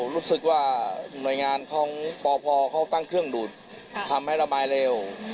รู้สึกว่าหน่วยงานของปพเขาตั้งเครื่องดูดทำให้ระบายเร็ว